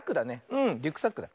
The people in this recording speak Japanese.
うんリュックサックだ。